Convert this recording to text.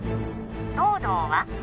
東堂は？